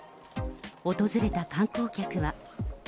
訪れた観光客は。